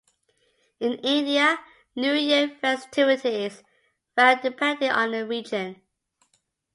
In India, New Year festivities vary depending on the region.